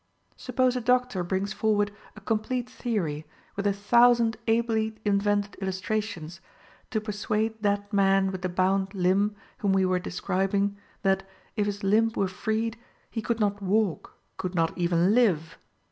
Suppose a doctor brings forward a complete theory, with a thousand ably invented illustrations, to persuade that man with the bound limb whom we were describing, that, if his limb were freed, he could not walk, could not even live.